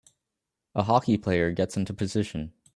A hockey player gets into position